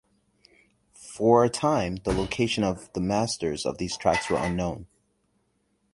For a time the location of the masters of these tracks were unknown.